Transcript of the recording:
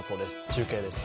中継です。